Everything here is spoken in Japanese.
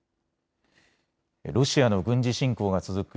ロシアの軍事侵攻が続く